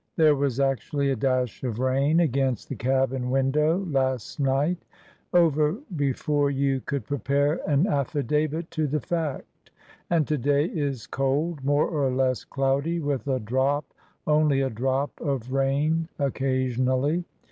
There was actually a dash of rain against the cabin window last night, — over before you could prepare an afl5davit to the fact, — and to day is cold, more or less cloudy with a drop, only a drop, of rain occasionally.